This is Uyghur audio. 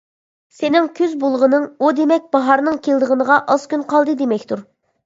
سېنىڭ كۈز بولغىنىڭ ئۇ دېمەك باھارنىڭ كېلىدىغىنىغا ئاز كۈن قالدى دېمەكتۇر.